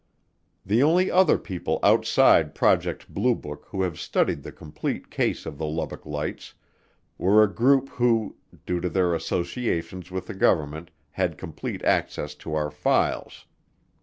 The only other people outside Project Blue Book who have studied the complete case of the Lubbock Lights were a group who, due to their associations with the government, had complete access to our files.